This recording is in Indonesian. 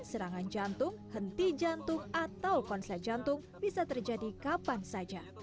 serangan jantung henti jantung atau konsel jantung bisa terjadi kapan saja